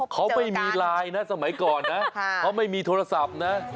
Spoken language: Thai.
เขาไม่มีไลน์นะสมัยก่อนนะเขาไม่มีโทรศัพท์นะ